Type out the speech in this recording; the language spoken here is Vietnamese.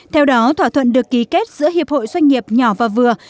theo đó thỏa thuận được ký kết giữa hiệp hội doanh nghiệp nhỏ và vừa